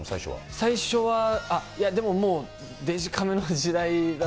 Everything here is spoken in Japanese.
最初は、でももうデジカメの時代だった。